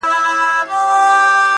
تا ویل د بنده ګانو نګهبان یم!!